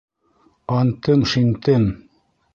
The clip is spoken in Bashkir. Антым-шинтем!